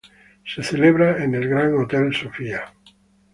Se celebra en el Grand Hotel Sofía.